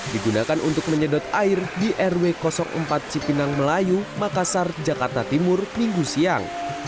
digunakan untuk menyedot air di rw empat cipinang melayu makassar jakarta timur minggu siang